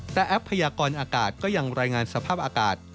แต่แอปพยากรอากาศก็ยังรายงานสภาพอากาศ